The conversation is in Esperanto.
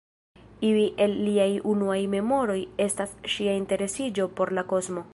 Iuj el liaj unuaj memoroj estas ŝia interesiĝo por la kosmo.